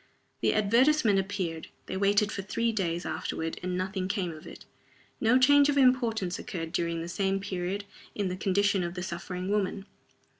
The advertisement appeared. They waited for three days afterward, and nothing came of it. No change of importance occurred, during the same period, in the condition of the suffering woman.